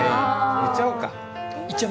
言っちゃおうか。